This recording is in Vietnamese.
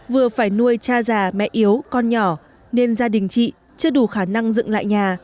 vừa phải nuôi cha già mẹ yếu con nhỏ nên gia đình chị chưa đủ khả năng dựng lại nhà